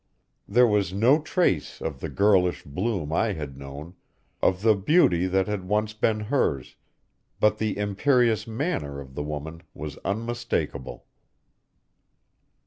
There was no trace of the girlish bloom I had known, of the beauty that once had been hers, but the imperious manner of the woman was unmistakable.